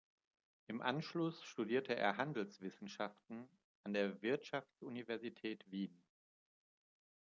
Im Anschluss studierte er Handelswissenschaften an der Wirtschaftsuniversität Wien.